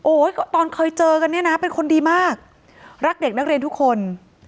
ตอนเคยเจอกันเนี่ยนะเป็นคนดีมากรักเด็กนักเรียนทุกคน